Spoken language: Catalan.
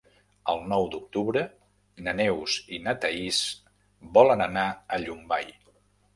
El nou d'octubre na Neus i na Thaís volen anar a Llombai.